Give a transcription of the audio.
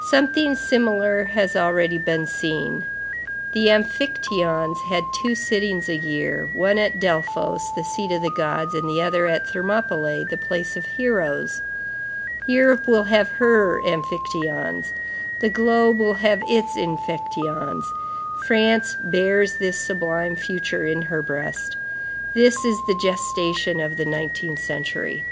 Something similar has already been seen. The amphictyons had two sittings a year, one at Delphos the seat of the gods, the other at Thermopylæ, the place of heroes. Europe will have her amphictyons; the globe will have its amphictyons. France bears this sublime future in her breast. This is the gestation of the nineteenth century.